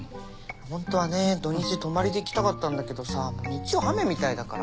ほんとはね土日泊まりで行きたかったんだけどさ日曜雨みたいだから。